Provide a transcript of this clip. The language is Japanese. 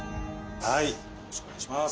よろしくお願いします。